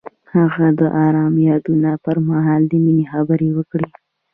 هغه د آرام یادونه پر مهال د مینې خبرې وکړې.